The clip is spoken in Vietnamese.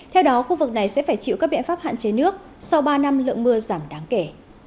theo đó khu vực này sẽ phải chịu các biện pháp hạn chế nước sau ba năm lượng mưa giảm đáng kể